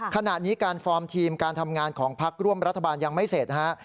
ขณะนี้การฟอร์มทีมการทำงานของพักร่วมรัฐบาลยังไม่เสร็จฮะ